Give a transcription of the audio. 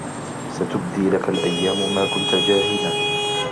ستبدي لك الأيام ما كنت جاهلا